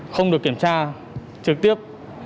không được kiểm tra trực tiếp